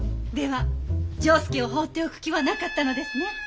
では丈助を放っておく気はなかったのですね？